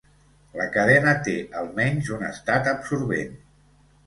La cadena té almenys un estat absorbent.